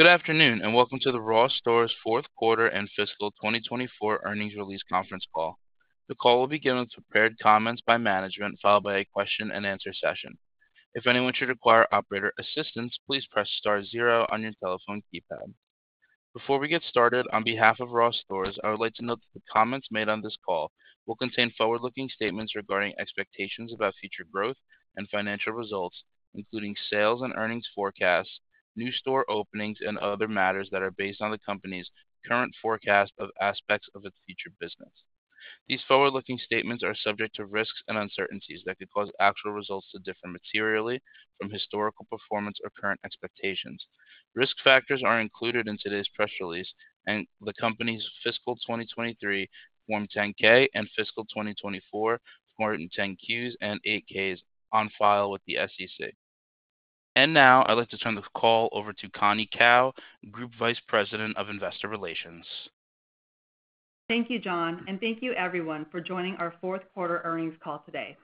Good afternoon and welcome to the Ross Stores Q4 and Fiscal 2024 Earnings Release Conference Call. The call will be given with prepared comments by management, followed by a Q&A session. If anyone should require operator assistance, please press star zero on your telephone keypad. Before we get started, on behalf of Ross Stores, I would like to note that the comments made on this call will contain forward-looking statements regarding expectations about future growth and financial results, including sales and earnings forecasts, new store openings, and other matters that are based on the company's current forecast of aspects of its future business. These forward-looking statements are subject to risks and uncertainties that could cause actual results to differ materially from historical performance or current expectations. Risk factors are included in today's press release, and the company's fiscal 2023 Form 10-K and fiscal 2024 Form 10-Qs and 8-Ks on file with the SEC. I would like to turn the call over to Connie Kao, Group Vice President of Investor Relations. Thank you, John, and thank you, everyone, for joining our Q4 Earnings Call today.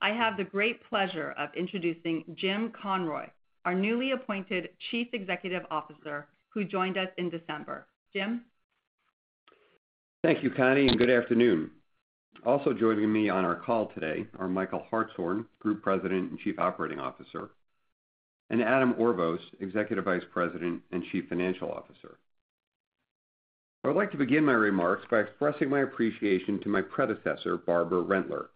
I have the great pleasure of introducing Jim Conroy, our newly appointed Chief Executive Officer, who joined us in December. Jim? Thank you, Connie, and good afternoon. Also joining me on our call today are Michael Hartshorn, Group President and Chief Operating Officer, and Adam Orvos, Executive Vice President and Chief Financial Officer. I would like to begin my remarks by expressing my appreciation to my predecessor, Barbara Rentler.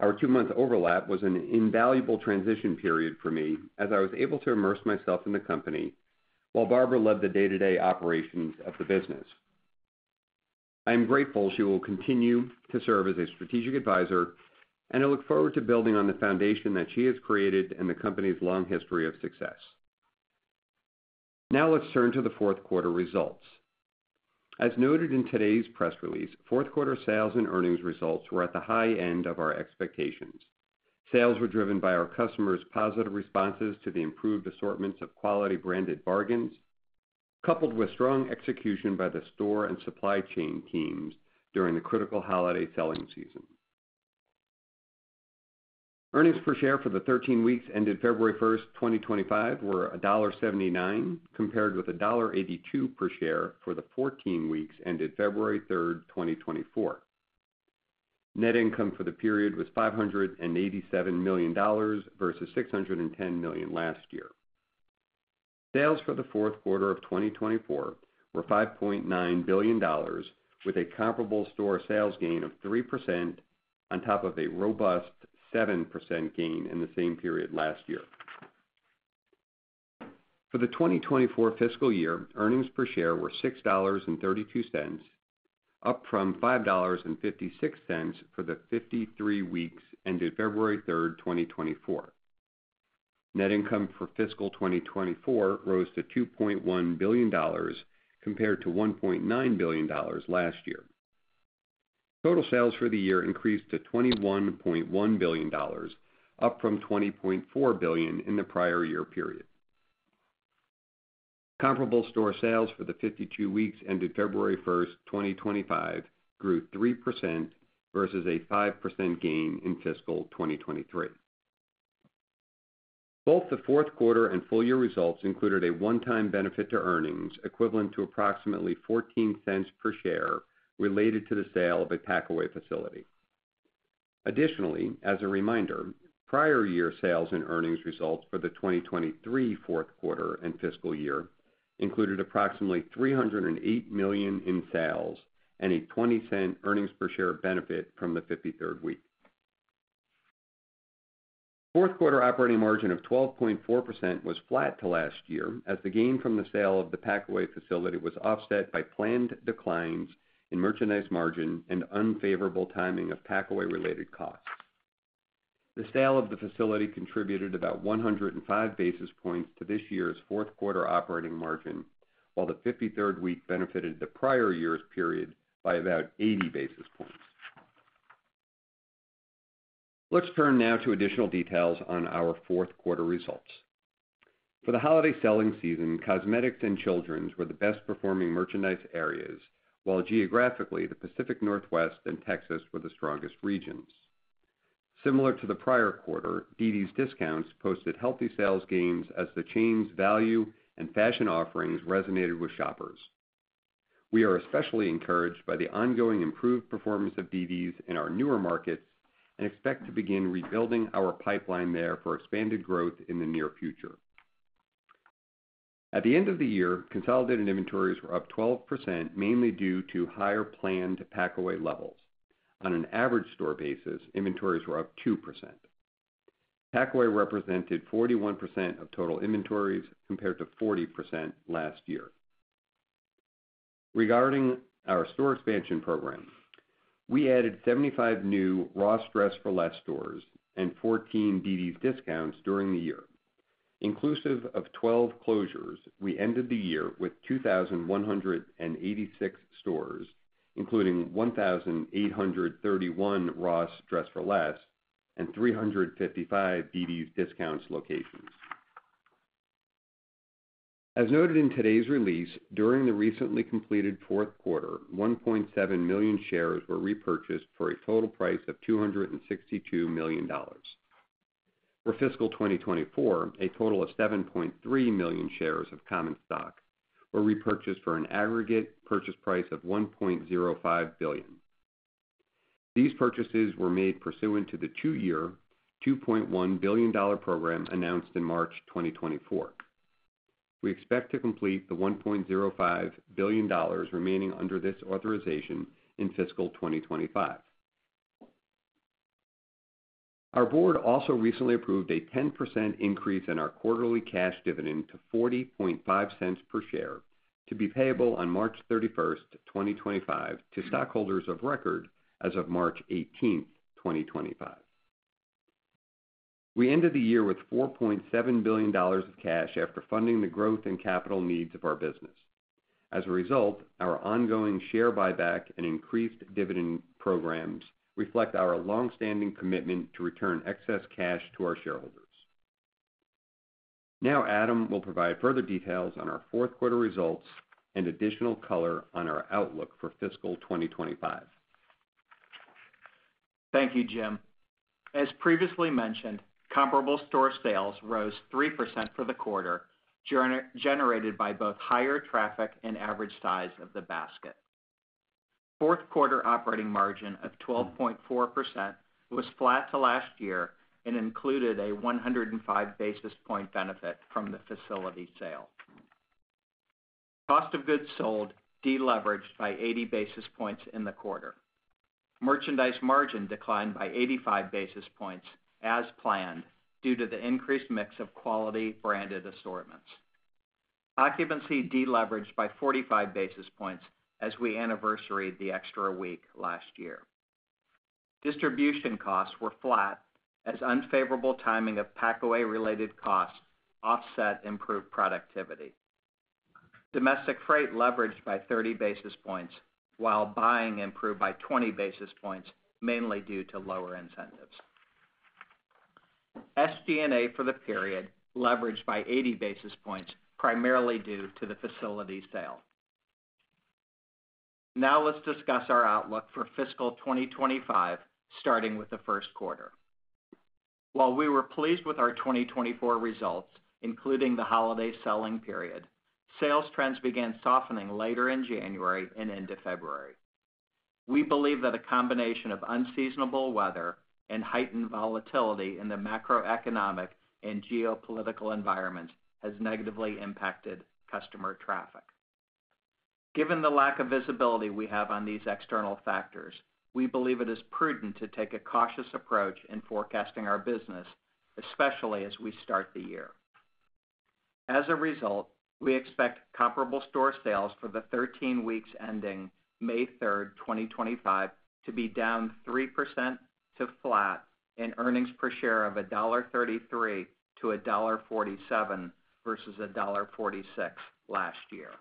Our two-month overlap was an invaluable transition period for me, as I was able to immerse myself in the company while Barbara led the day-to-day operations of the business. I am grateful she will continue to serve as a strategic advisor, and I look forward to building on the foundation that she has created and the company's long history of success. Now, let's turn to the Q4 results. As noted in today's press release, Q4 sales and earnings results were at the high end of our expectations. Sales were driven by our customers' positive responses to the improved assortments of quality branded bargains, coupled with strong execution by the store and supply chain teams during the critical holiday selling season. Earnings per share for the 13 weeks ended 1 February 2025, were $1.79, compared with $1.82 per share for the 14 weeks ended 3 February 2024. Net income for the period was $587 million versus $610 million last year. Sales for the Q4 of 2024 were $5.9 billion, with a comparable store sales gain of 3% on top of a robust 7% gain in the same period last year. For the 2024 fiscal year, earnings per share were $6.32, up from $5.56 for the 53 weeks ended February 3, 2024. Net income for fiscal 2024 rose to $2.1 billion, compared to $1.9 billion last year. Total sales for the year increased to $21.1 billion, up from $20.4 billion in the prior year period. Comparable store sales for the 52 weeks ended 1 February 2025, grew 3% versus a 5% gain in fiscal 2023. Both the Q4 and full year results included a one-time benefit to earnings equivalent to approximately $0.14 per share related to the sale of a packaway facility. Additionally, as a reminder, prior year sales and earnings results for the 2023 Q4 and fiscal year included approximately $308 million in sales and a $0.20 earnings per share benefit from the 53rd week. Q4 operating margin of 12.4% was flat to last year, as the gain from the sale of the packaway facility was offset by planned declines in merchandise margin and unfavorable timing of packaway-related costs. The sale of the facility contributed about 105 basis points to this year's Q4 operating margin, while the 53rd week benefited the prior year's period by about 80 basis points. Let's turn now to additional details on our Q4 results. For the holiday selling season, cosmetics and children's were the best-performing merchandise areas, while geographically, the Pacific Northwest and Texas were the strongest regions. Similar to the prior quarter, dd's DISCOUNTS posted healthy sales gains as the chain's value and fashion offerings resonated with shoppers. We are especially encouraged by the ongoing improved performance of dd's in our newer markets and expect to begin rebuilding our pipeline there for expanded growth in the near future. At the end of the year, consolidated inventories were up 12%, mainly due to higher planned packaway levels. On an average store basis, inventories were up 2%. Packaway represented 41% of total inventories, compared to 40% last year. Regarding our store expansion program, we added 75 new Ross Dress for Less stores and 14 dd's DISCOUNTS during the year. Inclusive of 12 closures, we ended the year with 2,186 stores, including 1,831 Ross Dress for Less and 355 dd's DISCOUNTS locations. As noted in today's release, during the recently completed Q4, 1.7 million shares were repurchased for a total price of $262 million. For fiscal 2024, a total of 7.3 million shares of common stock were repurchased for an aggregate purchase price of $1.05 billion. These purchases were made pursuant to the two-year $2.1 billion program announced in March 2024. We expect to complete the $1.05 billion remaining under this authorization in fiscal 2025. Our board also recently approved a 10% increase in our quarterly cash dividend to $0.40 per share to be payable on 31 March 2025, to stockholders of record as of 18 March 2025. We ended the year with $4.7 billion of cash after funding the growth and capital needs of our business. As a result, our ongoing share buyback and increased dividend programs reflect our longstanding commitment to return excess cash to our shareholders. Now, Adam will provide further details on our Q4 results and additional color on our outlook for fiscal 2025. Thank you, Jim. As previously mentioned, comparable store sales rose 3% for the quarter, generated by both higher traffic and average size of the basket. Q4 operating margin of 12.4% was flat to last year and included a 105 basis point benefit from the facility sale. Cost of goods sold deleveraged by 80 basis points in the quarter. Merchandise margin declined by 85 basis points as planned due to the increased mix of quality branded assortments. Occupancy deleveraged by 45 basis points as we anniversaried the extra week last year. Distribution costs were flat as unfavorable timing of packaway-related costs offset improved productivity. Domestic freight leveraged by 30 basis points, while buying improved by 20 basis points, mainly due to lower incentives. SG&A for the period leveraged by 80 basis points, primarily due to the facility sale. Now, let's discuss our outlook for fiscal 2025, starting with the Q1. While we were pleased with our 2024 results, including the holiday selling period, sales trends began softening later in January and into February. We believe that a combination of unseasonable weather and heightened volatility in the macroeconomic and geopolitical environment has negatively impacted customer traffic. Given the lack of visibility we have on these external factors, we believe it is prudent to take a cautious approach in forecasting our business, especially as we start the year. As a result, we expect comparable store sales for the 13 weeks ending 3 May 2025, to be down 3% to flat, and earnings per share of $1.33-$1.47 versus $1.46 last year.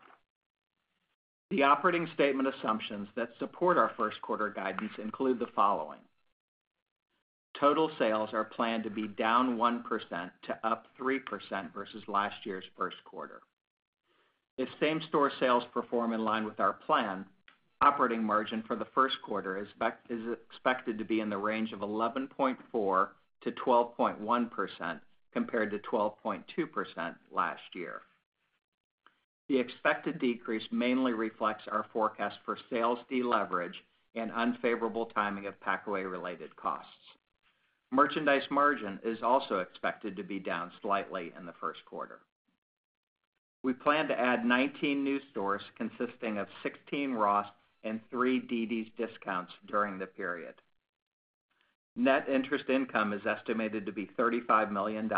The operating statement assumptions that support our Q1 guidance include the following: total sales are planned to be down 1% to up 3% versus last year's Q1. If same-store sales perform in line with our plan, operating margin for the Q1 is expected to be in the range of 11.4%-12.1%, compared to 12.2% last year. The expected decrease mainly reflects our forecast for sales deleverage and unfavorable timing of packaway-related costs. Merchandise margin is also expected to be down slightly in the Q1. We plan to add 19 new stores consisting of 16 Ross and 3 dd's DISCOUNTS during the period. Net interest income is estimated to be $35 million.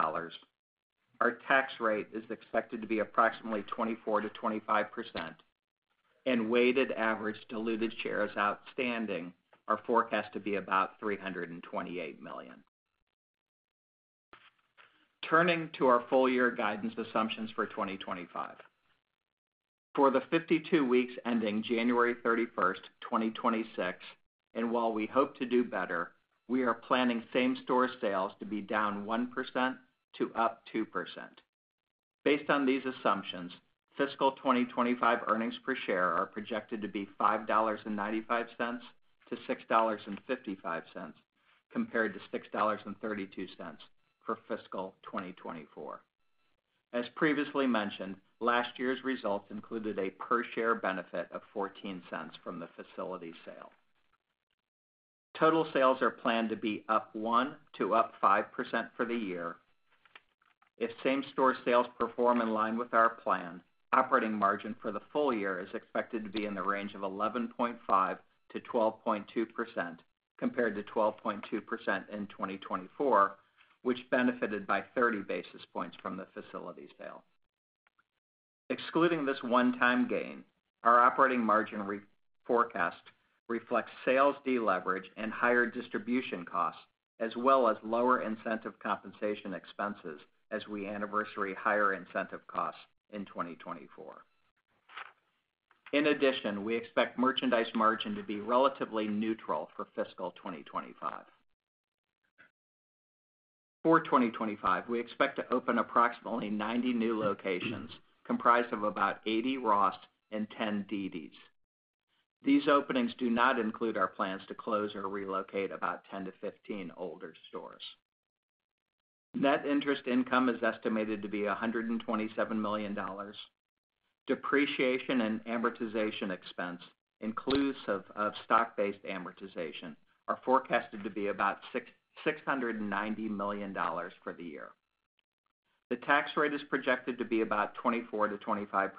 Our tax rate is expected to be approximately 24% to 25%, and weighted average diluted shares outstanding are forecast to be about 328 million. Turning to our full year guidance assumptions for 2025. For the 52 weeks ending 31 January 2026, and while we hope to do better, we are planning same-store sales to be down 1% to up 2%. Based on these assumptions, fiscal 2025 earnings per share are projected to be $5.95 to $6.55, compared to $6.32 for fiscal 2024. As previously mentioned, last year's results included a per-share benefit of $0.14 from the facility sale. Total sales are planned to be up 1% to 5% for the year. If same-store sales perform in line with our plan, operating margin for the full year is expected to be in the range of 11.5% to 12.2%, compared to 12.2% in 2024, which benefited by 30 basis points from the facility sale. Excluding this one-time gain, our operating margin forecast reflects sales deleverage and higher distribution costs, as well as lower incentive compensation expenses as we anniversary higher incentive costs in 2024. In addition, we expect merchandise margin to be relatively neutral for fiscal 2025. For 2025, we expect to open approximately 90 new locations, comprised of about 80 Ross and 10 dd's. These openings do not include our plans to close or relocate about 10-15 older stores. Net interest income is estimated to be $127 million. Depreciation and amortization expense, inclusive of stock-based amortization, are forecasted to be about $690 million for the year. The tax rate is projected to be about 24% to 25%,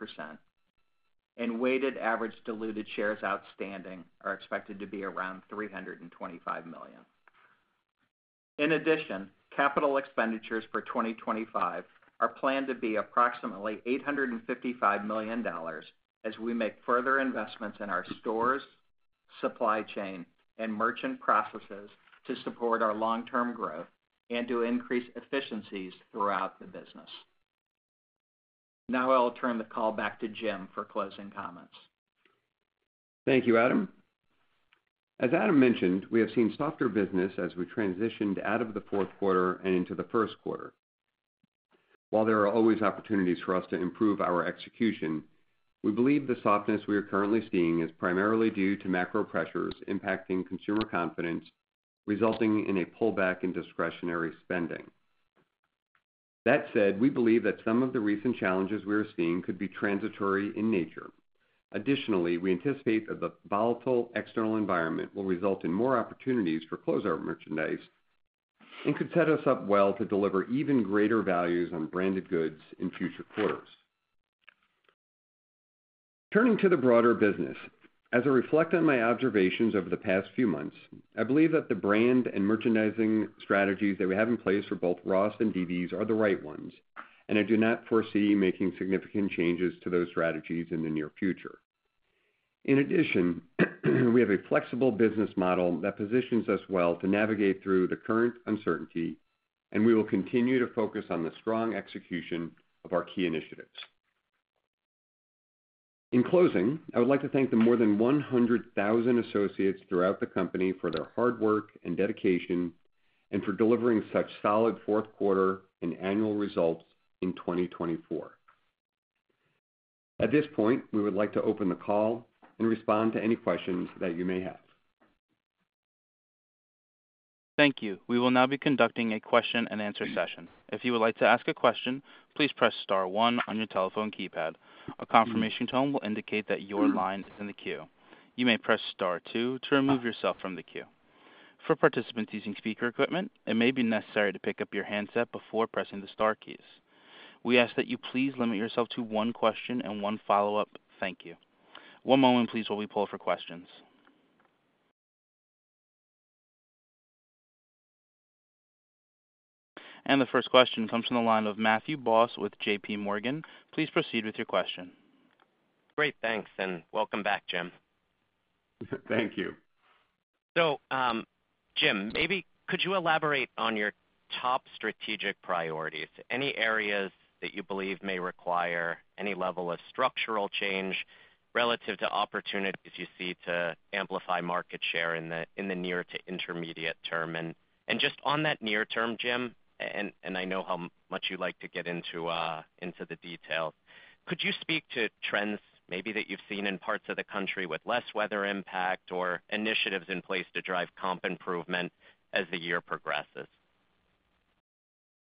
and weighted average diluted shares outstanding are expected to be around 325 million. In addition, capital expenditures for 2025 are planned to be approximately $855 million as we make further investments in our stores, supply chain, and merchant processes to support our long-term growth and to increase efficiencies throughout the business. Now, I'll turn the call back to Jim for closing comments. Thank you, Adam. As Adam mentioned, we have seen softer business as we transitioned out of the Q4 and into the Q1. While there are always opportunities for us to improve our execution, we believe the softness we are currently seeing is primarily due to macro pressures impacting consumer confidence, resulting in a pullback in discretionary spending. That said, we believe that some of the recent challenges we are seeing could be transitory in nature. Additionally, we anticipate that the volatile external environment will result in more opportunities for closeout merchandise and could set us up well to deliver even greater values on branded goods in future quarters. Turning to the broader business, as I reflect on my observations over the past few months, I believe that the brand and merchandising strategies that we have in place for both Ross and dd's are the right ones, and I do not foresee making significant changes to those strategies in the near future. In addition, we have a flexible business model that positions us well to navigate through the current uncertainty, and we will continue to focus on the strong execution of our key initiatives. In closing, I would like to thank the more than 100,000 associates throughout the company for their hard work and dedication and for delivering such solid Q4 and annual results in 2024. At this point, we would like to open the call and respond to any questions that you may have. Thank you. We will now be conducting a Q&A session. If you would like to ask a question, please press star one on your telephone keypad. A confirmation tone will indicate that your line is in the queue. You may press star two to remove yourself from the queue. For participants using speaker equipment, it may be necessary to pick up your handset before pressing the star keys. We ask that you please limit yourself to one question and one follow-up. Thank you. One moment, please, while we pull up for questions. The first question comes from the line of Matthew Boss with JPMorgan. Please proceed with your question. Great. Thanks. Welcome back, Jim. Thank you. Jim, maybe could you elaborate on your top strategic priorities? Any areas that you believe may require any level of structural change relative to opportunities you see to amplify market share in the near to intermediate term? Just on that near term, Jim, and I know how much you like to get into the details, could you speak to trends maybe that you've seen in parts of the country with less weather impact or initiatives in place to drive comp improvement as the year progresses?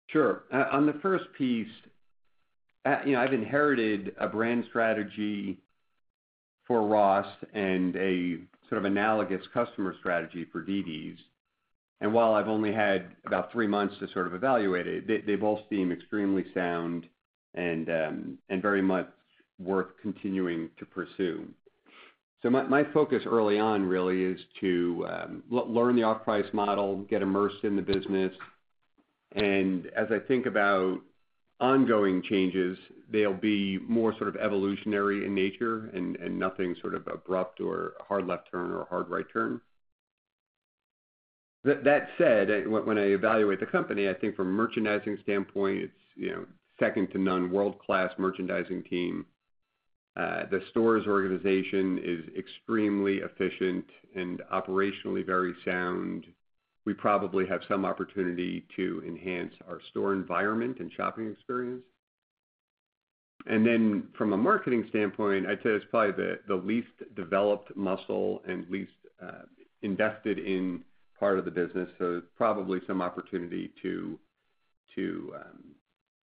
Sure. On the first piece, I've inherited a brand strategy for Ross and a sort of analogous customer strategy for dd's. While I've only had about three months to sort of evaluate it, they both seem extremely sound and very much worth continuing to pursue. My focus early on really is to learn the off-price model, get immersed in the business. As I think about ongoing changes, they'll be more sort of evolutionary in nature and nothing sort of abrupt or a hard left turn or a hard right turn. That said, when I evaluate the company, I think from a merchandising standpoint, it's second to none, world-class merchandising team. The stores organization is extremely efficient and operationally very sound. We probably have some opportunity to enhance our store environment and shopping experience. From a marketing standpoint, I'd say it's probably the least developed muscle and least invested in part of the business. Probably some opportunity to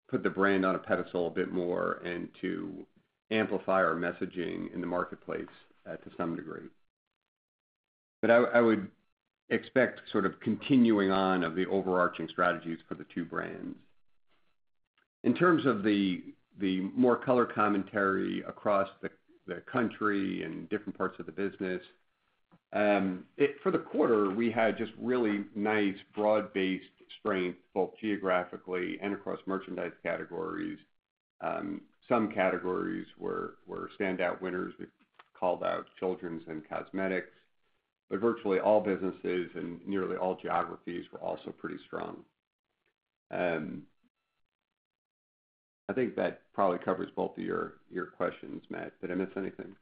put the brand on a pedestal a bit more and to amplify our messaging in the marketplace to some degree. I would expect sort of continuing on of the overarching strategies for the two brands. In terms of the more color commentary across the country and different parts of the business, for the quarter, we had just really nice broad-based strength, both geographically and across merchandise categories. Some categories were standout winners. We called out children's and cosmetics. Virtually all businesses in nearly all geographies were also pretty strong. I think that probably covers both of your questions, Matt. Did I miss anything?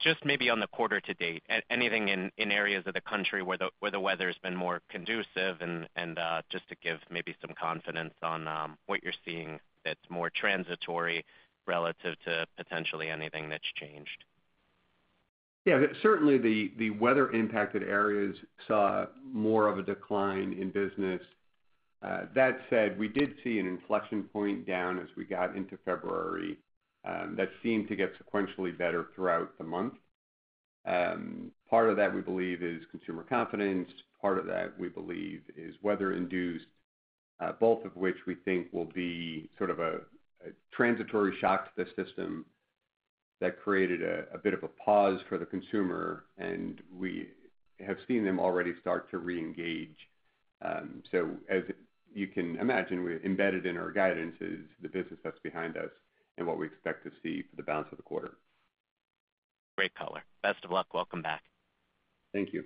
Just maybe on the quarter to date, anything in areas of the country where the weather has been more conducive and just to give maybe some confidence on what you're seeing that's more transitory relative to potentially anything that's changed? Yeah. Certainly, the weather-impacted areas saw more of a decline in business. That said, we did see an inflection point down as we got into February that seemed to get sequentially better throughout the month. Part of that, we believe, is consumer confidence. Part of that, we believe, is weather-induced, both of which we think will be sort of a transitory shock to the system that created a bit of a pause for the consumer, and we have seen them already start to reengage. As you can imagine, we're embedded in our guidances, the business that's behind us, and what we expect to see for the balance of the quarter. Great color. Best of luck. Welcome back. Thank you.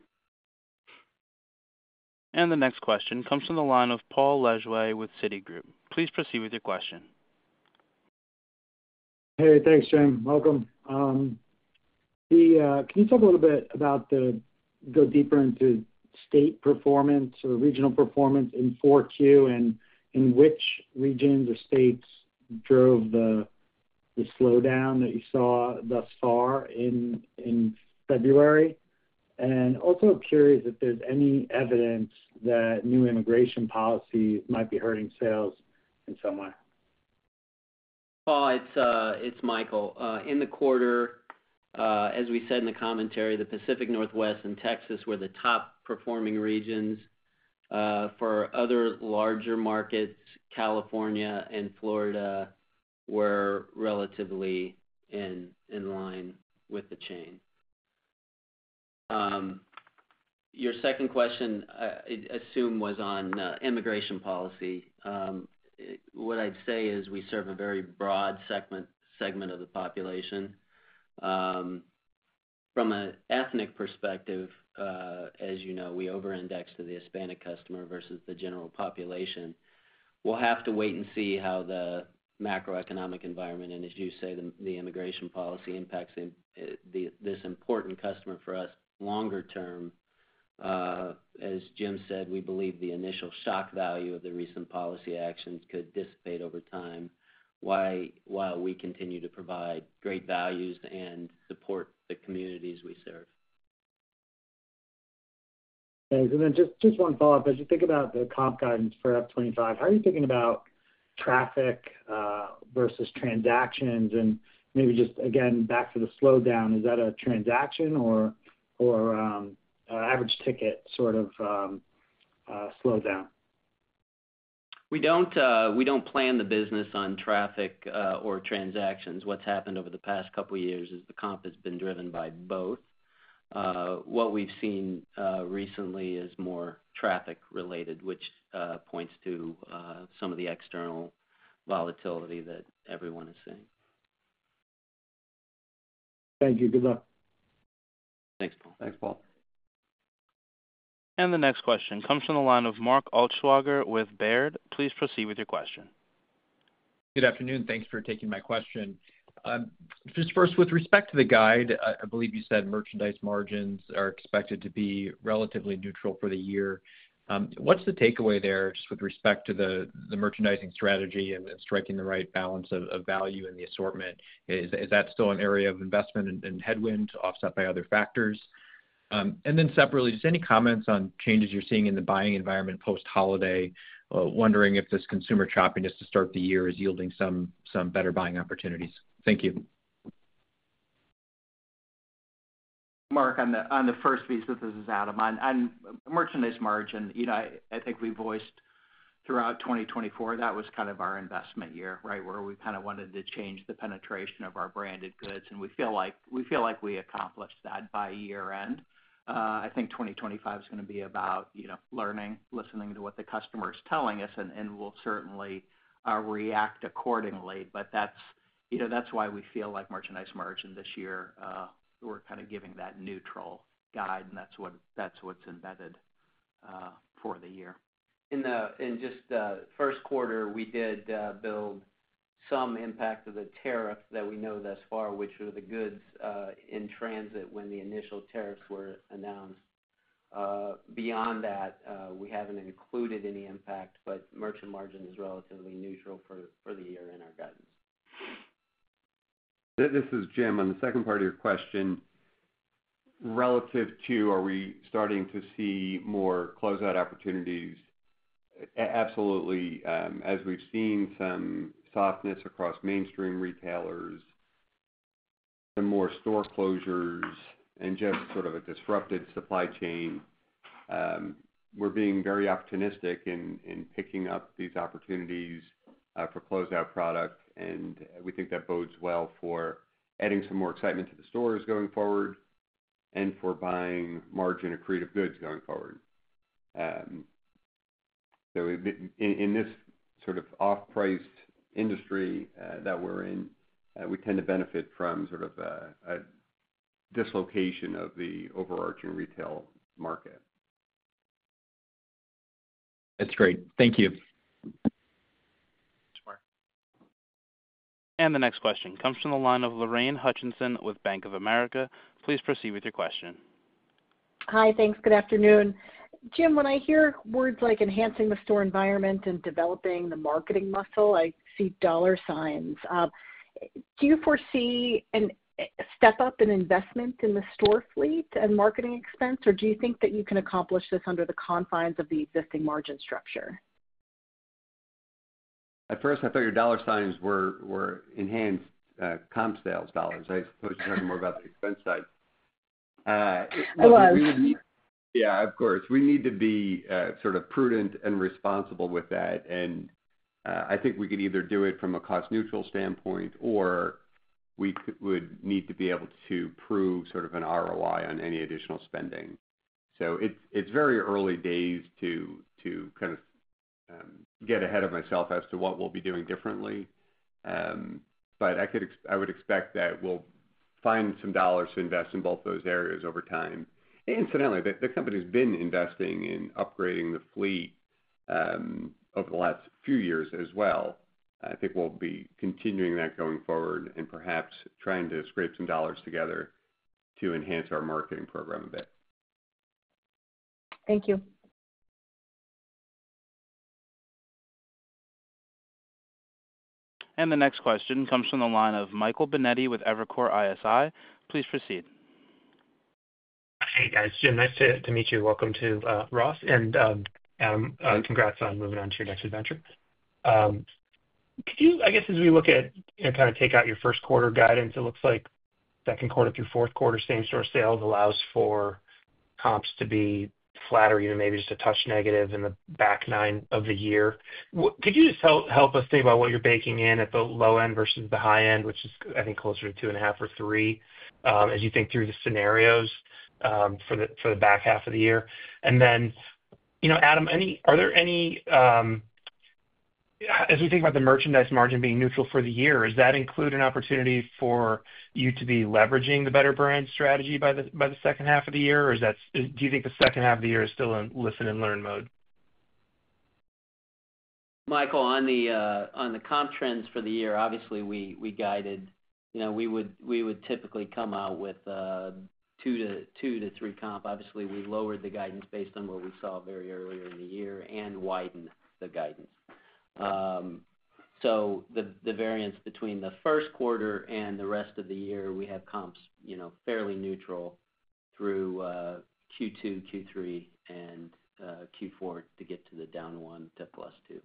The next question comes from the line of Paul Lejuez with Citigroup. Please proceed with your question. Hey, thanks, Jim. Welcome. Can you talk a little bit about the go deeper into state performance or regional performance in Q4 and in which regions or states drove the slowdown that you saw thus far in February? Also curious if there's any evidence that new immigration policies might be hurting sales in some way. Oh, it's Michael. In the quarter, as we said in the commentary, the Pacific Northwest and Texas were the top-performing regions. For other larger markets, California and Florida were relatively in line with the chain. Your second question, I assume, was on immigration policy. What I'd say is we serve a very broad segment of the population. From an ethnic perspective, as you know, we over-index to the Hispanic customer versus the general population. We'll have to wait and see how the macroeconomic environment and, as you say, the immigration policy impacts this important customer for us longer term. As Jim said, we believe the initial shock value of the recent policy actions could dissipate over time while we continue to provide great values and support the communities we serve. Thanks. Just one follow-up. As you think about the comp guidance for F25, how are you thinking about traffic versus transactions? Maybe just, again, back to the slowdown, is that a transaction or average ticket sort of slowdown? We do not plan the business on traffic or transactions. What has happened over the past couple of years is the comp has been driven by both. What we have seen recently is more traffic-related, which points to some of the external volatility that everyone is seeing. Thank you. Good luck. Thanks, Paul. Thanks, Paul. The next question comes from the line of Mark Altschwager with Baird. Please proceed with your question. Good afternoon. Thanks for taking my question. Just first, with respect to the guide, I believe you said merchandise margins are expected to be relatively neutral for the year. What's the takeaway there just with respect to the merchandising strategy and striking the right balance of value in the assortment? Is that still an area of investment and headwind offset by other factors? Separately, just any comments on changes you're seeing in the buying environment post-holiday, wondering if this consumer shopping just to start the year is yielding some better buying opportunities? Thank you. Mark, on the first piece of this is Adam. On merchandise margin, I think we voiced throughout 2024 that was kind of our investment year, right, where we kind of wanted to change the penetration of our branded goods. And we feel like we accomplished that by year-end. I think 2025 is going to be about learning, listening to what the customer is telling us, and we'll certainly react accordingly. That is why we feel like merchandise margin this year, we're kind of giving that neutral guide, and that's what's embedded for the year. In just the Q1, we did build some impact of the tariffs that we know thus far, which were the goods in transit when the initial tariffs were announced. Beyond that, we haven't included any impact, but merchandise margin is relatively neutral for the year in our guidance. This is Jim. On the second part of your question, relative to are we starting to see more closeout opportunities? Absolutely. As we've seen some softness across mainstream retailers, some more store closures, and just sort of a disrupted supply chain, we're being very optimistic in picking up these opportunities for closeout product. We think that bodes well for adding some more excitement to the stores going forward and for buying margin accretive goods going forward. In this sort of off-price industry that we're in, we tend to benefit from sort of a dislocation of the overarching retail market. That's great. Thank you. Thanks, Mark. The next question comes from the line of Lorraine Hutchinson with Bank of America. Please proceed with your question. Hi, thanks. Good afternoon. Jim, when I hear words like enhancing the store environment and developing the marketing muscle, I see dollar signs. Do you foresee a step-up in investment in the store fleet and marketing expense, or do you think that you can accomplish this under the confines of the existing margin structure? At first, I thought your dollar signs were enhanced comp sales dollars. I suppose you're talking more about the expense side. It was. Yeah, of course. We need to be sort of prudent and responsible with that. I think we could either do it from a cost-neutral standpoint or we would need to be able to prove sort of an ROI on any additional spending. It is very early days to kind of get ahead of myself as to what we'll be doing differently. I would expect that we'll find some dollars to invest in both those areas over time. Incidentally, the company's been investing in upgrading the fleet over the last few years as well. I think we'll be continuing that going forward and perhaps trying to scrape some dollars together to enhance our marketing program a bit. Thank you. The next question comes from the line of Michael Binetti with Evercore ISI. Please proceed. Hey, guys. Jim, nice to meet you. Welcome to Ross and Adam. Congrats on moving on to your next adventure. Could you, I guess, as we look at kind of take out your Q1 guidance, it looks like Q2 through Q4, same-store sales allows for comps to be flat or even maybe just a touch negative in the back nine of the year. Could you just help us think about what you're baking in at the low end versus the high end, which is, I think, closer to two and a half or three as you think through the scenarios for the back half of the year? Adam, are there any—as we think about the merchandise margin being neutral for the year, does that include an opportunity for you to be leveraging the better brand strategy by the second half of the year? Do you think the second half of the year is still in listen and learn mode? Michael, on the comp trends for the year, obviously, we guided—we would typically come out with two to three comp. Obviously, we lowered the guidance based on what we saw very early in the year and widened the guidance. The variance between the Q1 and the rest of the year, we have comps fairly neutral through Q2, Q3, and Q4 to get to the down one to plus two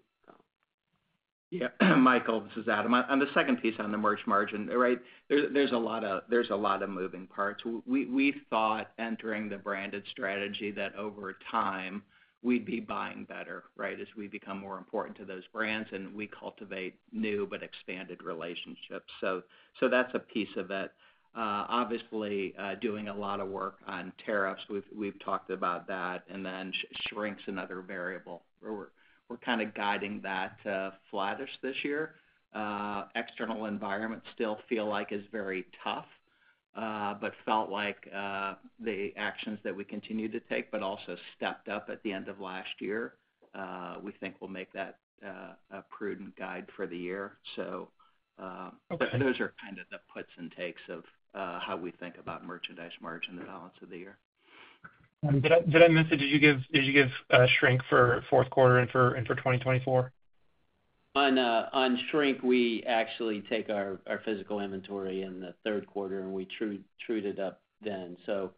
comp. Yeah. Michael, this is Adam. On the second piece on the merch margin, right, there's a lot of moving parts. We thought entering the branded strategy that over time, we'd be buying better, right, as we become more important to those brands and we cultivate new but expanded relationships. So that's a piece of it. Obviously, doing a lot of work on tariffs, we've talked about that, and then shrink's another variable. We're kind of guiding that to flattish this year. External environment still feel like is very tough, but felt like the actions that we continue to take, but also stepped up at the end of last year, we think will make that a prudent guide for the year. Those are kind of the puts and takes of how we think about merchandise margin and the balance of the year. Did I miss it? Did you give shrink for Q4 and for 2024? On shrink, we actually take our physical inventory in the Q3 and we trued it up then. So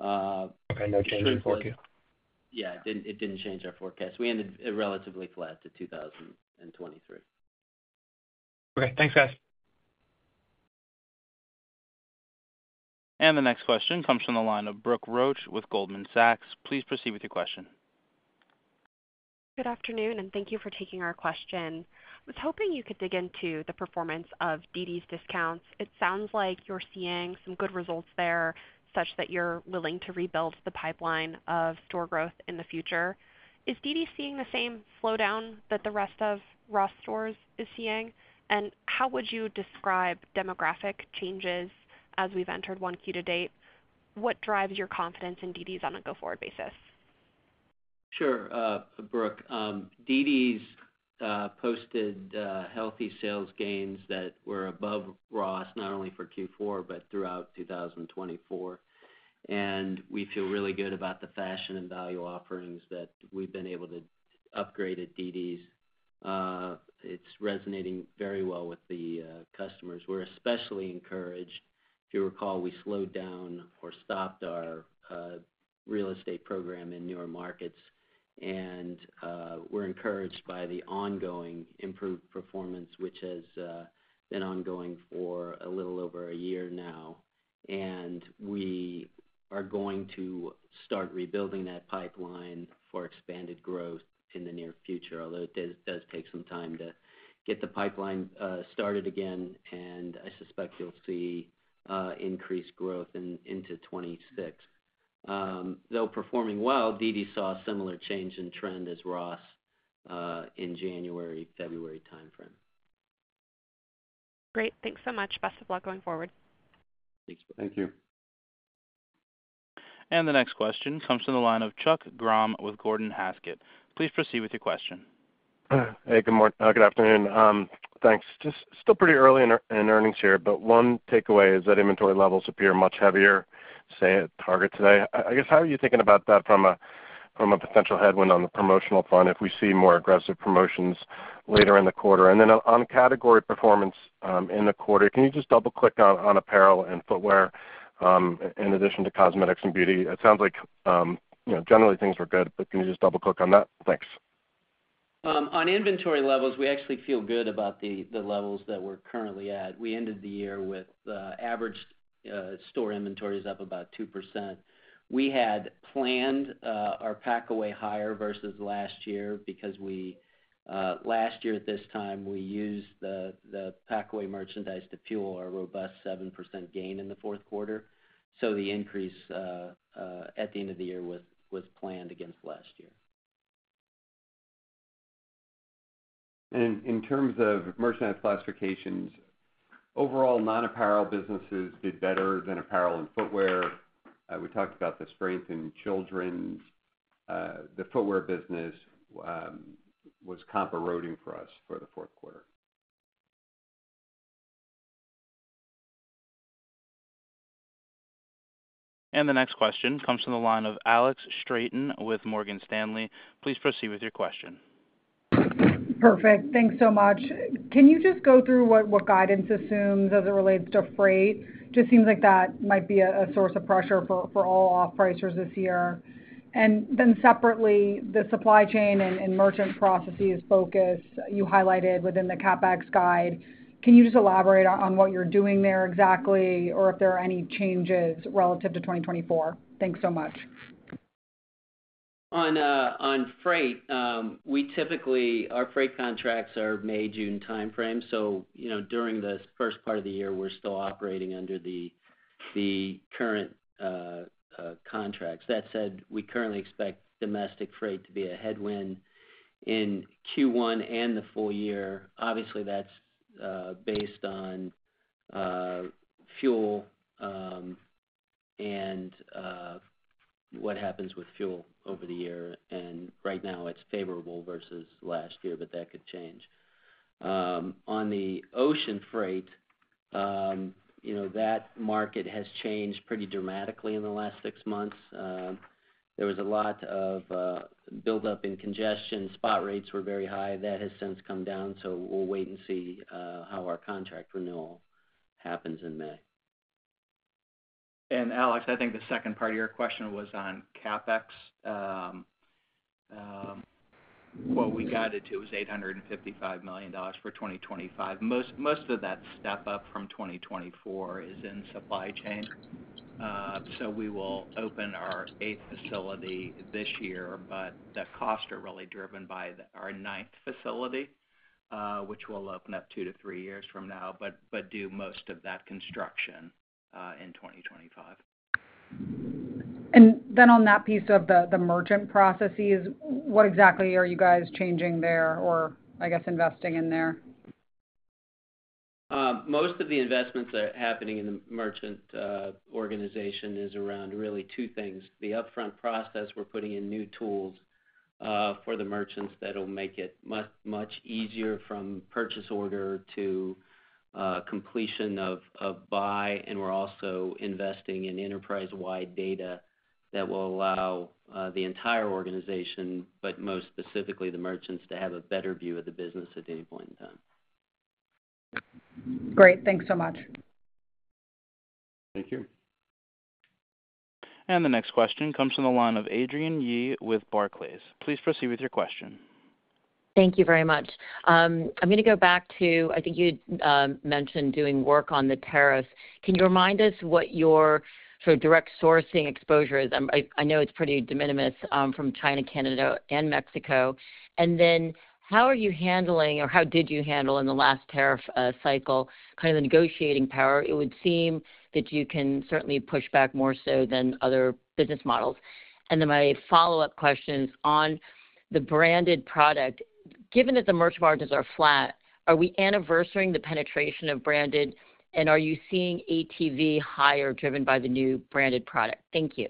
shrink. Okay. No change in Q4. Yeah. It didn't change our forecast. We ended relatively flat to 2023. Okay. Thanks, guys. The next question comes from the line of Brooke Roach with Goldman Sachs. Please proceed with your question. Good afternoon, and thank you for taking our question. I was hoping you could dig into the performance of dd's DISCOUNTS. It sounds like you're seeing some good results there such that you're willing to rebuild the pipeline of store growth in the future. Is dd's seeing the same slowdown that the rest of Ross Stores is seeing? How would you describe demographic changes as we've entered Q1 to date? What drives your confidence in dd's on a go-forward basis? Sure. Brooke, dd's posted healthy sales gains that were above Ross not only for Q4, but throughout 2024. We feel really good about the fashion and value offerings that we've been able to upgrade at dd's. It's resonating very well with the customers. We're especially encouraged. If you recall, we slowed down or stopped our real estate program in newer markets. We're encouraged by the ongoing improved performance, which has been ongoing for a little over a year now. We are going to start rebuilding that pipeline for expanded growth in the near future, although it does take some time to get the pipeline started again. I suspect you'll see increased growth into 2026. Though performing well, DD saw a similar change in trend as Ross in January, February timeframe. Great. Thanks so much. Best of luck going forward. Thanks. Thank you. The next question comes from the line of Chuck Grom with Gordon Haskett. Please proceed with your question. Hey, good afternoon. Thanks. Just still pretty early in earnings here, but one takeaway is that inventory levels appear much heavier, say, at Target today. I guess, how are you thinking about that from a potential headwind on the promotional fund if we see more aggressive promotions later in the quarter? On category performance in the quarter, can you just double-click on apparel and footwear in addition to cosmetics and beauty? It sounds like generally things were good, but can you just double-click on that? Thanks. On inventory levels, we actually feel good about the levels that we're currently at. We ended the year with average store inventories up about 2%. We had planned our pack away higher versus last year because last year at this time, we used the pack away merchandise to fuel our robust 7% gain in the Q4. The increase at the end of the year was planned against last year. In terms of merchant classifications, overall, non-apparel businesses did better than apparel and footwear. We talked about the strength in children. The footwear business was comp-eroding for us for the Q4. The next question comes from the line of Alex Straton with Morgan Stanley. Please proceed with your question. Perfect. Thanks so much. Can you just go through what guidance assumes as it relates to freight? It just seems like that might be a source of pressure for all off-pricers this year. Then separately, the supply chain and merchant processes focus you highlighted within the CapEx guide. Can you just elaborate on what you're doing there exactly or if there are any changes relative to 2024? Thanks so much. On freight, our freight contracts are May, June timeframe. During the first part of the year, we're still operating under the current contracts. That said, we currently expect domestic freight to be a headwind in Q1 and the full year. Obviously, that's based on fuel and what happens with fuel over the year. Right now, it's favorable versus last year, but that could change. On the ocean freight, that market has changed pretty dramatically in the last six months. There was a lot of buildup and congestion. Spot rates were very high. That has since come down. We will wait and see how our contract renewal happens in May. Alex, I think the second part of your question was on CapEx. What we guided to was $855 million for 2025. Most of that step-up from 2024 is in supply chain. We will open our eighth facility this year, but the costs are really driven by our ninth facility, which will open up two to three years from now, but do most of that construction in 2025. On that piece of the merchant processes, what exactly are you guys changing there or, I guess, investing in there? Most of the investments that are happening in the merchant organization is around really two things. The upfront process, we're putting in new tools for the merchants that will make it much easier from purchase order to completion of buy. We're also investing in enterprise-wide data that will allow the entire organization, but most specifically the merchants, to have a better view of the business at any point in time. Great. Thanks so much. Thank you. The next question comes from the line of Adrienne Yih with Barclays. Please proceed with your question. Thank you very much. I'm going to go back to, I think you mentioned doing work on the tariffs. Can you remind us what your sort of direct sourcing exposure is? I know it's pretty de minimis from China, Canada, and Mexico. How are you handling, or how did you handle in the last tariff cycle, kind of the negotiating power? It would seem that you can certainly push back more so than other business models. My follow-up question is on the branded product. Given that the merchandise margins are flat, are we anniversarying the penetration of branded, and are you seeing ATV higher driven by the new branded product? Thank you.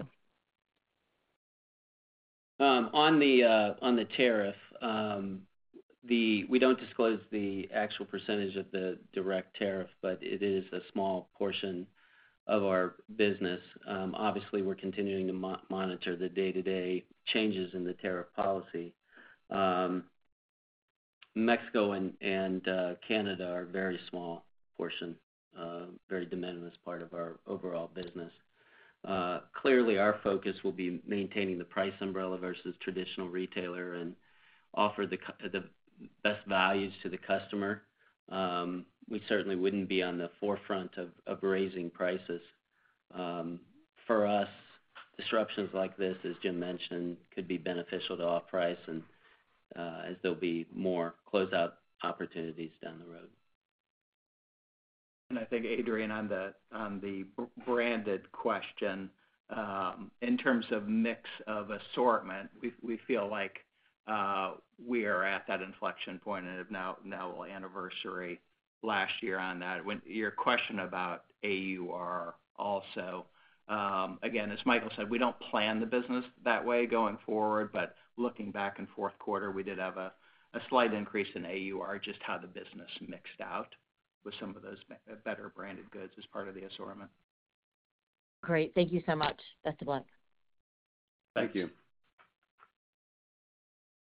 On the tariff, we do not disclose the actual percentage of the direct tariff, but it is a small portion of our business. Obviously, we are continuing to monitor the day-to-day changes in the tariff policy. Mexico and Canada are a very small portion, very de minimis part of our overall business. Clearly, our focus will be maintaining the price umbrella versus traditional retailer and offer the best values to the customer. We certainly would not be on the forefront of raising prices. For us, disruptions like this, as Jim mentioned, could be beneficial to off-price as there will be more close-out opportunities down the road. I think, Adrienne, on the branded question, in terms of mix of assortment, we feel like we are at that inflection point and have now anniversary last year on that. Your question about AUR also, again, as Michael said, we do not plan the business that way going forward, but looking back in Q4, we did have a slight increase in AUR, just how the business mixed out with some of those better branded goods as part of the assortment. Great. Thank you so much. Best of luck. Thank you.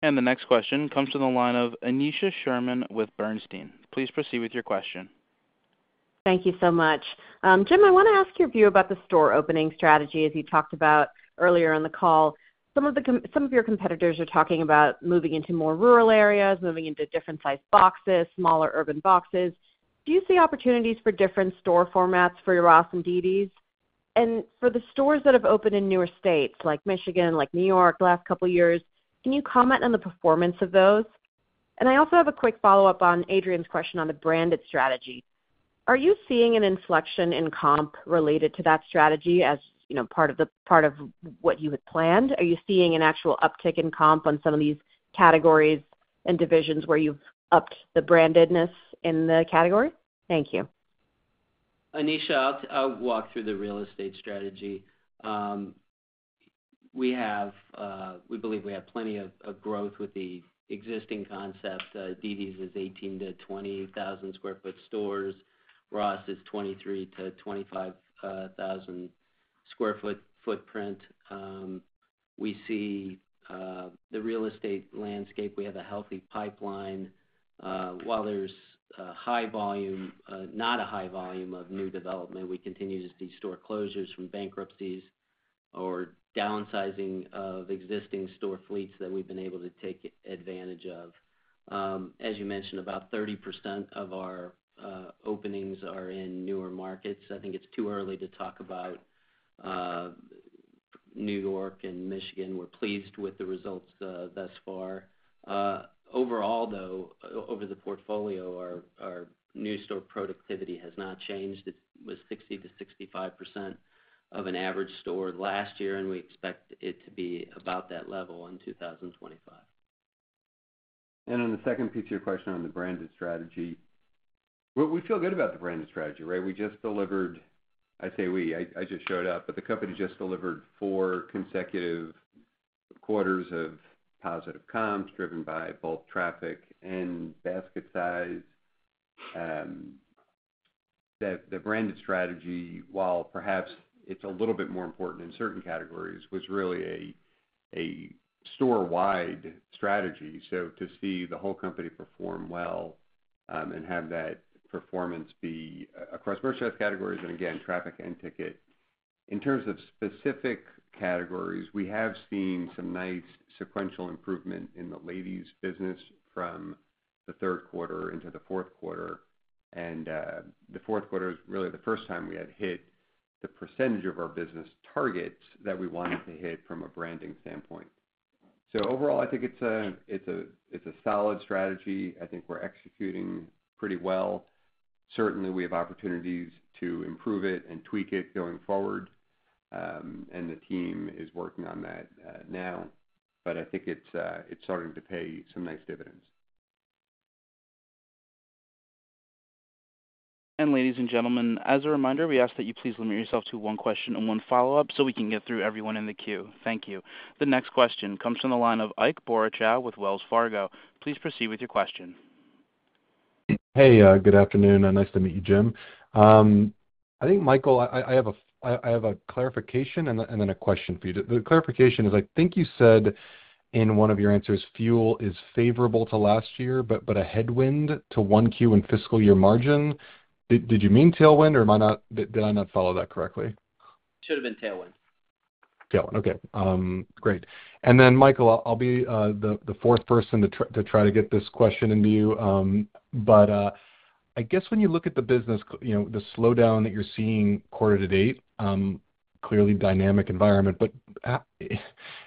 The next question comes from the line of Aneesha Sherman with Bernstein. Please proceed with your question. Thank you so much. Jim, I want to ask your view about the store opening strategy as you talked about earlier on the call. Some of your competitors are talking about moving into more rural areas, moving into different-sized boxes, smaller urban boxes. Do you see opportunities for different store formats for your Ross and dd's? For the stores that have opened in newer states like Michigan, like New York the last couple of years, can you comment on the performance of those? I also have a quick follow-up on Adrienne's question on the branded strategy. Are you seeing an inflection in comp related to that strategy as part of what you had planned? Are you seeing an actual uptick in comp on some of these categories and divisions where you've upped the brandedness in the category? Thank you. Aneesha, I'll walk through the real estate strategy. We believe we have plenty of growth with the existing concept. dd's is 18,000 to 20,000 sq ft stores. Ross is 23,000 to 25,000 sq ft footprint. We see the real estate landscape. We have a healthy pipeline. While there's not a high volume of new development, we continue to see store closures from bankruptcies or downsizing of existing store fleets that we've been able to take advantage of. As you mentioned, about 30% of our openings are in newer markets. I think it's too early to talk about New York and Michigan. We're pleased with the results thus far. Overall, though, over the portfolio, our new store productivity has not changed. It was 60% to 65% of an average store last year, and we expect it to be about that level in 2025. On the second piece of your question on the branded strategy, we feel good about the branded strategy, right? We just delivered—I say we, I just showed up—but the company just delivered four consecutive quarters of positive comps driven by both traffic and basket size. The branded strategy, while perhaps it's a little bit more important in certain categories, was really a store-wide strategy. To see the whole company perform well and have that performance be across merchant categories and, again, traffic and ticket. In terms of specific categories, we have seen some nice sequential improvement in the ladies' business from the Q3 into the Q4. The Q4 is really the first time we had hit the percentage of our business targets that we wanted to hit from a branding standpoint. Overall, I think it's a solid strategy.I think we're executing pretty well. Certainly, we have opportunities to improve it and tweak it going forward. The team is working on that now. I think it's starting to pay some nice dividends. Ladies and gentlemen, as a reminder, we ask that you please limit yourself to one question and one follow-up so we can get through everyone in the queue. Thank you. The next question comes from the line of Ike Boruchow with Wells Fargo. Please proceed with your question. Hey, good afternoon. Nice to meet you, Jim. I think, Michael, I have a clarification and then a question for you. The clarification is I think you said in one of your answers, "Fuel is favorable to last year, but a headwind to Q1 in fiscal year margin." Did you mean tailwind, or did I not follow that correctly? It should have been tailwind. Tailwind. Okay. Great. Michael, I'll be the fourth person to try to get this question into you. I guess when you look at the business, the slowdown that you're seeing quarter to date, clearly dynamic environment,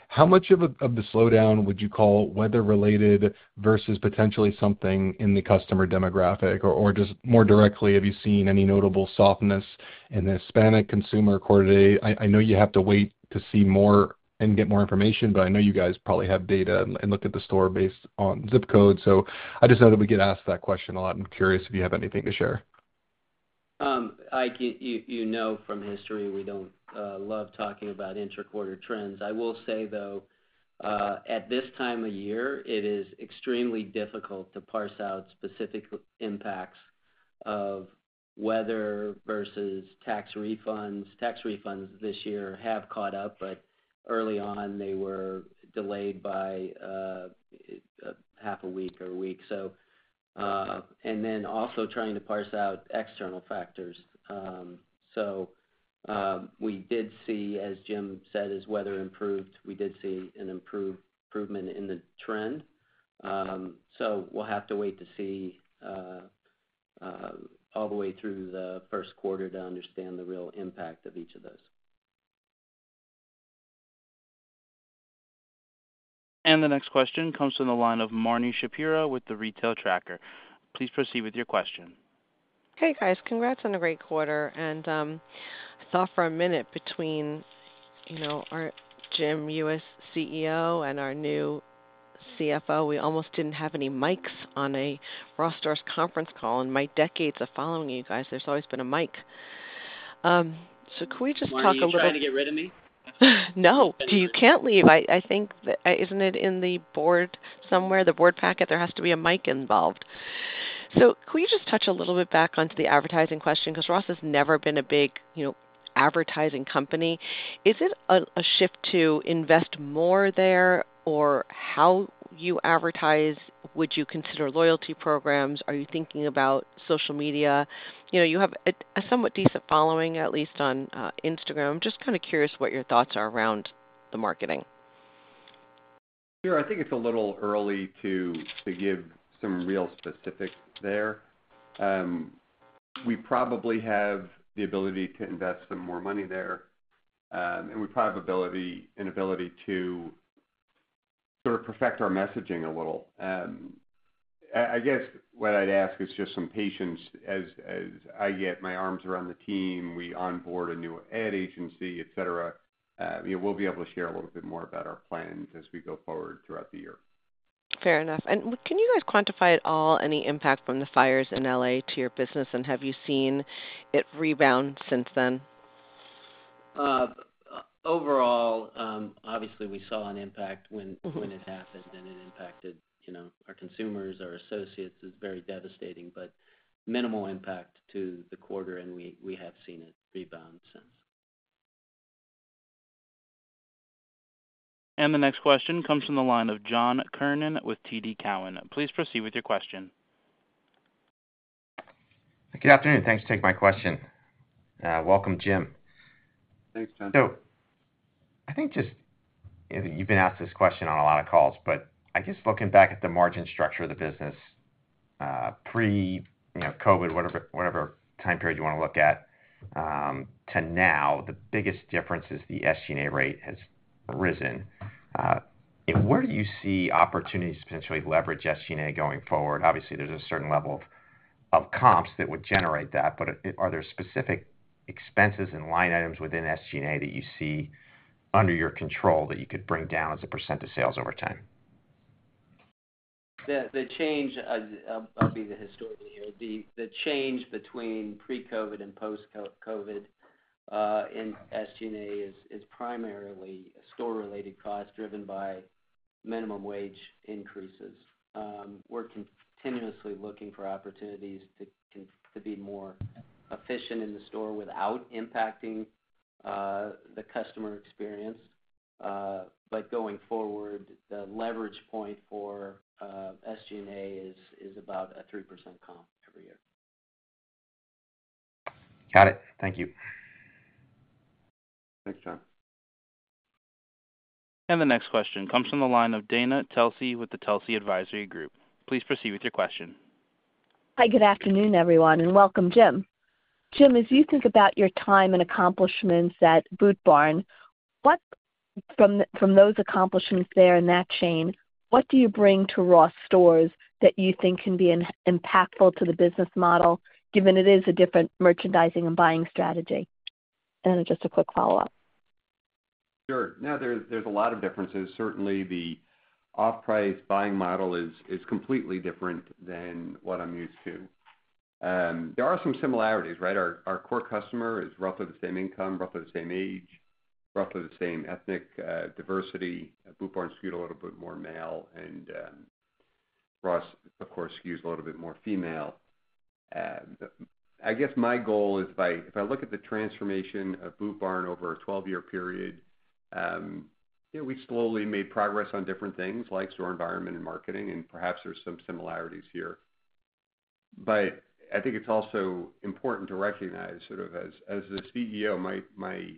how much of the slowdown would you call weather-related versus potentially something in the customer demographic? Or just more directly, have you seen any notable softness in the Hispanic consumer quarter to date? I know you have to wait to see more and get more information, but I know you guys probably have data and look at the store based on zip code. I just know that we get asked that question a lot. I'm curious if you have anything to share. You know from history, we don't love talking about interquarter trends. I will say, though, at this time of year, it is extremely difficult to parse out specific impacts of weather versus tax refunds. Tax refunds this year have caught up, but early on, they were delayed by half a week or a week. Also trying to parse out external factors. We did see, as Jim said, as weather improved, we did see an improvement in the trend. We'll have to wait to see all the way through the Q1 to understand the real impact of each of those. The next question comes from the line of Marni Shapiro with The Retail Tracker. Please proceed with your question. Hey, guys. Congrats on a great quarter. I thought for a minute between our Jim, you as CEO, and our new CFO, we almost did not have any Mics on a Ross Stores conference call. In my decades of following you guys, there has always been a Mic. Can we just talk a little bit? Are you trying to get rid of me? No. You can't leave. I think, isn't it in the board somewhere, the board packet? There has to be a Mic involved. Can we just touch a little bit back onto the advertising question? Because Ross has never been a big advertising company. Is it a shift to invest more there? Or how you advertise? Would you consider loyalty programs? Are you thinking about social media? You have a somewhat decent following, at least on Instagram. Just kind of curious what your thoughts are around the marketing. Sure. I think it's a little early to give some real specifics there. We probably have the ability to invest some more money there. And we probably have an ability to sort of perfect our messaging a little. I guess what I'd ask is just some patience as I get my arms around the team. We onboard a new ad agency, etc. We'll be able to share a little bit more about our plans as we go forward throughout the year. Fair enough. Can you guys quantify at all any impact from the fires in Los Angeles to your business? Have you seen it rebound since then? Overall, obviously, we saw an impact when it happened, and it impacted our consumers, our associates. It is very devastating, but minimal impact to the quarter. We have seen it rebound since. The next question comes from the line of John Kernan with TD Cowen. Please proceed with your question. Good afternoon. Thanks for taking my question. Welcome, Jim. Thanks, John. I think just you've been asked this question on a lot of calls, but I guess looking back at the margin structure of the business pre-COVID, whatever time period you want to look at, to now, the biggest difference is the SG&A rate has risen. Where do you see opportunities to potentially leverage SG&A going forward? Obviously, there's a certain level of comps that would generate that, but are there specific expenses and line items within SG&A that you see under your control that you could bring down as a percent of sales over time? The change, I will be the historian here, the change between pre-COVID and post-COVID in SG&A is primarily store-related costs driven by minimum wage increases. We are continuously looking for opportunities to be more efficient in the store without impacting the customer experience. Going forward, the leverage point for SG&A is about a 3% comp every year. Got it. Thank you. Thanks, John. The next question comes from the line of Dana Telsey with the Telsey Advisory Group. Please proceed with your question. Hi, good afternoon, everyone, and welcome, Jim. Jim, as you think about your time and accomplishments at Boot Barn, from those accomplishments there in that chain, what do you bring to Ross Stores that you think can be impactful to the business model, given it is a different merchandising and buying strategy? Just a quick follow-up. Sure. Now, there are a lot of differences. Certainly, the off-price buying model is completely different than what I'm used to. There are some similarities, right? Our core customer is roughly the same income, roughly the same age, roughly the same ethnic diversity. Boot Barn skewed a little bit more male, and Ross, of course, skews a little bit more female. I guess my goal is, if I look at the transformation of Boot Barn over a 12-year period, we've slowly made progress on different things like store environment and marketing, and perhaps there are some similarities here. I think it's also important to recognize sort of as the CEO, my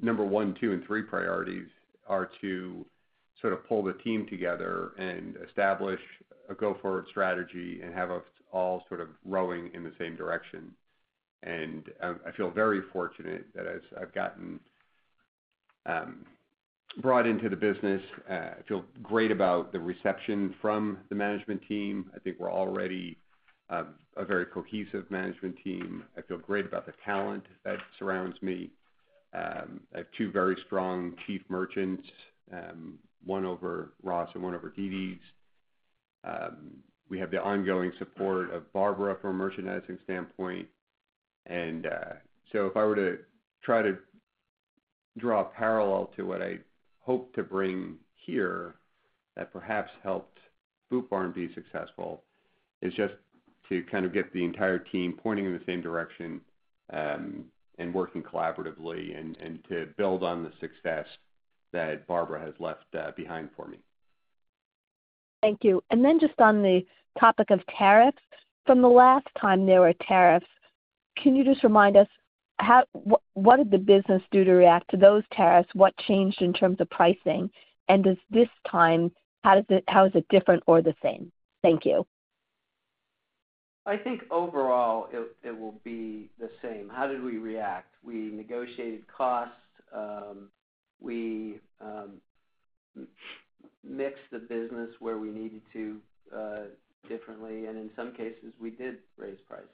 number one, two, and three priorities are to sort of pull the team together and establish a go-forward strategy and have us all sort of rowing in the same direction. I feel very fortunate that as I've gotten brought into the business, I feel great about the reception from the management team. I think we're already a very cohesive management team. I feel great about the talent that surrounds me. I have two very strong chief merchants, one over Ross and one over dd's. We have the ongoing support of Barbara from a merchandising standpoint. If I were to try to draw a parallel to what I hope to bring here that perhaps helped Boot Barn be successful, it's just to kind of get the entire team pointing in the same direction and working collaboratively and to build on the success that Barbara has left behind for me. Thank you. Just on the topic of tariffs, from the last time there were tariffs, can you just remind us what did the business do to react to those tariffs? What changed in terms of pricing? This time, how is it different or the same? Thank you. I think overall, it will be the same. How did we react? We negotiated costs. We mixed the business where we needed to differently. In some cases, we did raise prices.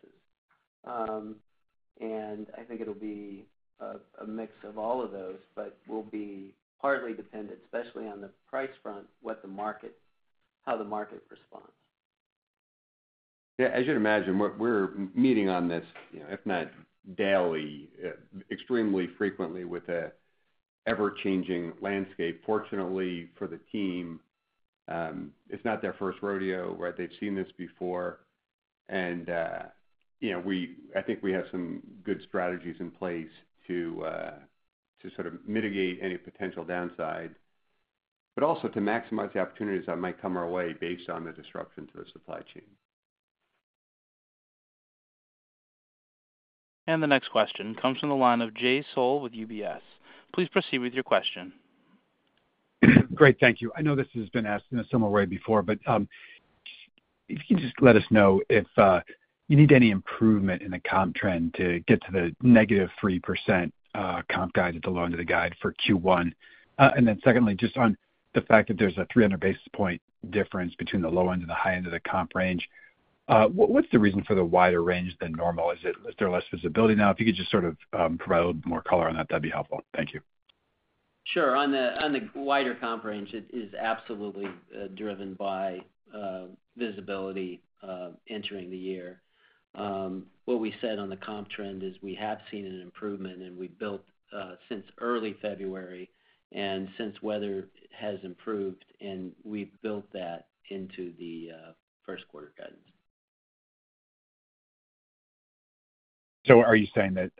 I think it will be a mix of all of those, but it will be partly dependent, especially on the price front, how the market responds. Yeah. As you'd imagine, we're meeting on this, if not daily, extremely frequently with an ever-changing landscape. Fortunately for the team, it's not their first rodeo, right? They've seen this before. I think we have some good strategies in place to sort of mitigate any potential downside, but also to maximize the opportunities that might come our way based on the disruption to the supply chain. The next question comes from the line of Jay Sole with UBS. Please proceed with your question. Great. Thank you. I know this has been asked in a similar way before, but if you can just let us know if you need any improvement in the comp trend to get to the negative 3% comp guide at the low end of the guide for Q1. Then secondly, just on the fact that there is a 300 basis point difference between the low end and the high end of the comp range, what is the reason for the wider range than normal? Is there less visibility now? If you could just sort of provide a little more color on that, that would be helpful. Thank you. Sure. On the wider comp range, it is absolutely driven by visibility entering the year. What we said on the comp trend is we have seen an improvement, and we've built since early February and since weather has improved, and we've built that into the Q1 guidance. Are you saying that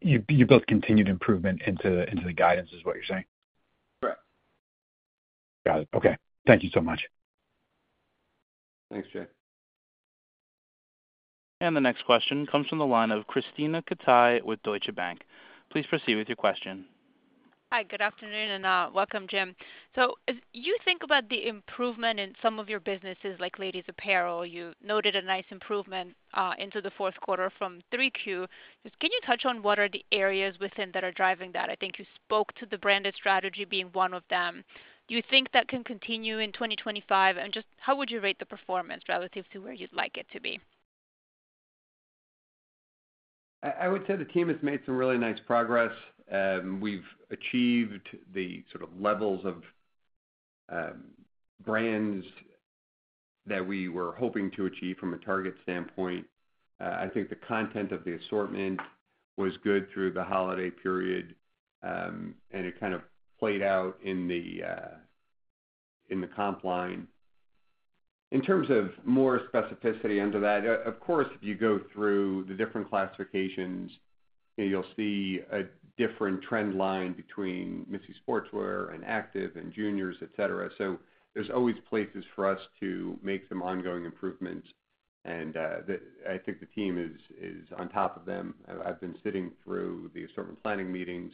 you built continued improvement into the guidance is what you're saying? Correct. Got it. Okay. Thank you so much. Thanks, Jay. The next question comes from the line of Krisztina Katai with Deutsche Bank. Please proceed with your question. Hi, good afternoon, and welcome, Jim. As you think about the improvement in some of your businesses like ladies' apparel, you noted a nice improvement into the Q4 from Q3. Can you touch on what are the areas within that are driving that? I think you spoke to the branded strategy being one of them. Do you think that can continue in 2025? How would you rate the performance relative to where you'd like it to be? I would say the team has made some really nice progress. We've achieved the sort of levels of brands that we were hoping to achieve from a target standpoint. I think the content of the assortment was good through the holiday period, and it kind of played out in the comp line. In terms of more specificity under that, of course, if you go through the different classifications, you'll see a different trend line between Missy Sportswear, and Active, and Juniors, etc. There are always places for us to make some ongoing improvements. I think the team is on top of them. I've been sitting through the assortment planning meetings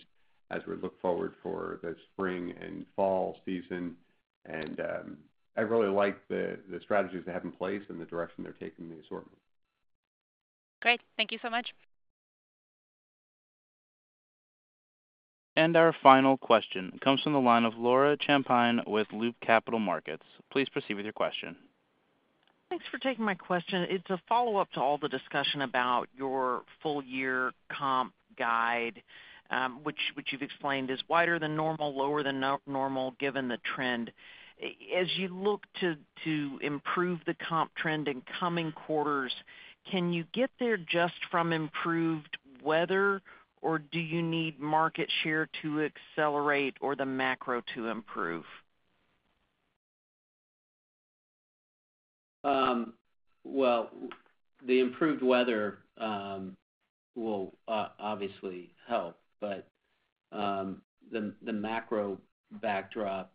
as we look forward for the spring and fall season. I really like the strategies they have in place and the direction they're taking the assortment. Great. Thank you so much. Our final question comes from the line of Laura Champine with Loop Capital Markets. Please proceed with your question. Thanks for taking my question. It's a follow-up to all the discussion about your full-year comp guide, which you've explained is wider than normal, lower than normal given the trend. As you look to improve the comp trend in coming quarters, can you get there just from improved weather, or do you need market share to accelerate or the macro to improve? The improved weather will obviously help, but the macro backdrop,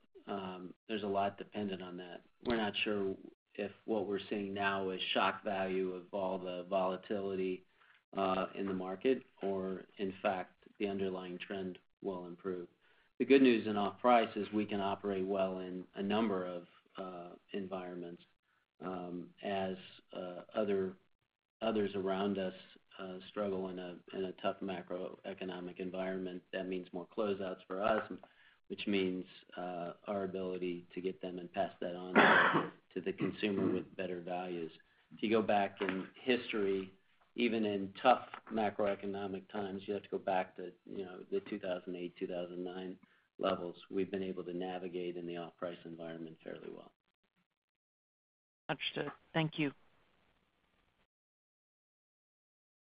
there's a lot dependent on that. We're not sure if what we're seeing now is shock value of all the volatility in the market or, in fact, the underlying trend will improve. The good news in off-price is we can operate well in a number of environments. As others around us struggle in a tough macroeconomic environment, that means more closeouts for us, which means our ability to get them and pass that on to the consumer with better values. If you go back in history, even in tough macroeconomic times, you have to go back to the 2008, 2009 levels, we've been able to navigate in the off-price environment fairly well. Understood. Thank you.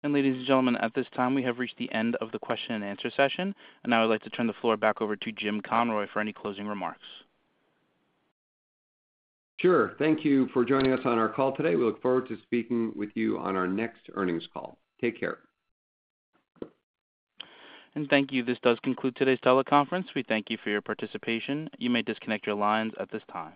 Ladies and gentlemen, at this time, we have reached the end of the Q&A session. I would like to turn the floor back over to Jim Conroy for any closing remarks. Sure. Thank you for joining us on our call today. We look forward to speaking with you on our next earnings call. Take care. Thank you. This does conclude today's teleconference. We thank you for your participation. You may disconnect your lines at this time.